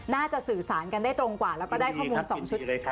สื่อสารกันได้ตรงกว่าแล้วก็ได้ข้อมูล๒ชุด